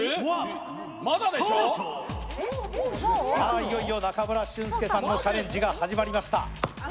いよいよ中村俊輔さんのチャレンジが始まりました。